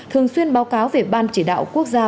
thường xuyên báo cáo về ban chỉ đạo quốc gia